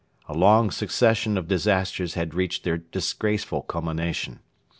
A long succession of disasters had reached their disgraceful culmination.